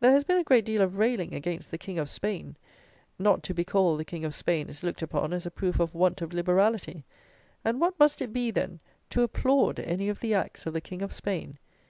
There has been a great deal of railing against the King of Spain; not to becall the King of Spain is looked upon as a proof of want of "liberality," and what must it be, then, to applaud any of the acts of the King of Spain!